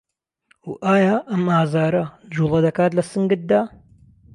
و ئایا ئەم ئازاره جووڵه دەکات لە سنگتدا؟